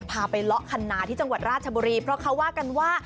พาไปเลาะคันนาที่จังหวัดราชบุรีเพราะเขาว่ากันว่า